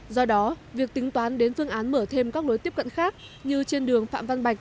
do đó việc tính toán đến phương án mở thêm các lối tiếp cận khác như trên đường phạm văn bạch